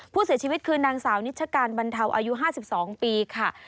ผู้เสียชีวิตคือนางสาวนิชการบรรเทาอายุ๕๒ปีค่ะ